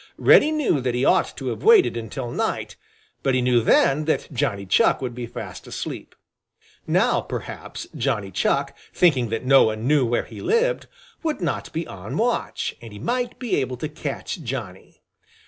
Reddy knew that he ought to have waited until night, but he knew that then Johnny Chuck would be fast asleep, Now, perhaps, Johnny Chuck, thinking that no one knew where he lived, would not be on watch, and he might be able to catch Johnny.